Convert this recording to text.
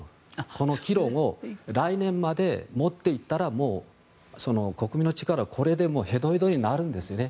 この議論を来年まで持っていったらもう国民の力はこれでへとへとになるんですね。